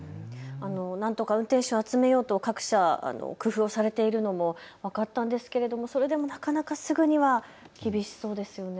なんとか運転手を集めようと各社、工夫をされているのも分かったんですがそれでもなかなかすぐには厳しそうですよね。